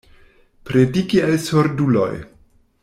Prediki al surduloj.